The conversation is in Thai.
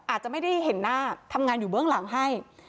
อาจจะไม่ได้เห็นหน้าทำงานอยู่เบื้องหลังให้